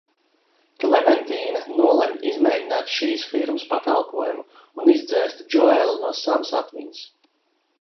Klementīne nolemj izmēģināt šīs firmas pakalpojumu un izdzēst Džoelu no savas atmiņas.